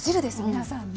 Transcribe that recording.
皆さんね。